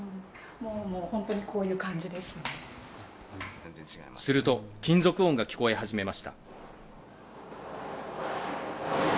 もう、本当にこういう感じですると金属音が聞こえ始めました。